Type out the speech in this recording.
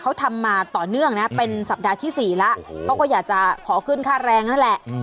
เขาทำมาต่อเนื่องนะเป็นสัปดาห์ที่๔แล้วเขาก็อยากจะขอขึ้นค่าแรงนั่นแหละ